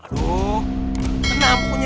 aduh kenapa koknya